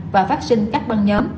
và phát sinh các băng nhóm